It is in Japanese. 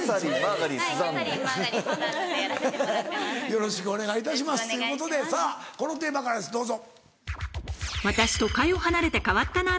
よろしくお願いいたしますということでさぁこのテーマからですどうぞ。